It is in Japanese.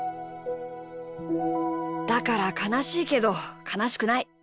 だからかなしいけどかなしくない。